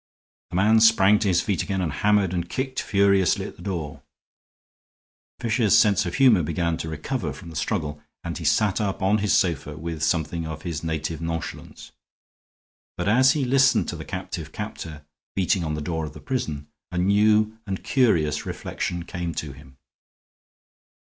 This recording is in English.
The man sprang to his feet again and hammered and kicked furiously at the door. Fisher's sense of humor began to recover from the struggle and he sat up on his sofa with something of his native nonchalance. But as he listened to the captive captor beating on the door of the prison, a new and curious reflection came to him.